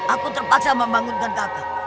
aku terpaksa membangunkan kakak